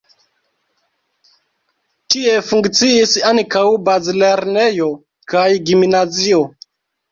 Tie funkciis ankaŭ bazlernejo kaj gimnazio.